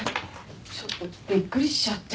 ちょっとびっくりしちゃって。